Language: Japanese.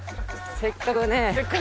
せっかくね。